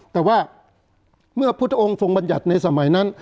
แต่ว่าเมื่อพุทธองค์ทรงบัญญัติในสมัยนั้น